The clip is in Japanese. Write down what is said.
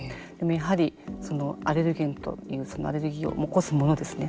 やはりアレルゲンというアレルギーを起こすものですね